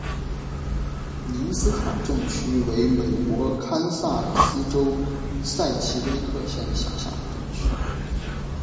宁斯卡镇区为美国堪萨斯州塞奇威克县辖下的镇区。